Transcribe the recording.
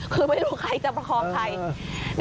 คือไม่รู้ใครจะประคองใคร